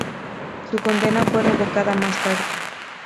Su condena fue revocada más tarde.